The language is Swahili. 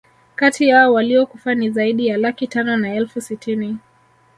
Kati yao waliokufa ni zaidi ya laki tano na elfu sitini